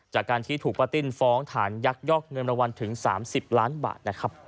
จากการที่ถูกประติ่นฟ้องฐานยักษ์ยอกเงินรวมถึง๓๐ล้านบาท